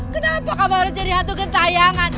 kenapa kamu harus jadi hantu gentayangan